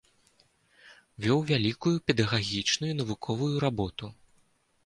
Вёў вялікую педагагічную і навуковую работу.